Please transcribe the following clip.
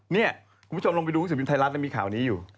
นี่คุณผู้ชมลงไปดูวิศวินไทยรัฐมีข่าวนี้อยู่